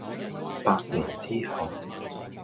百年之後